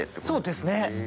そうですね。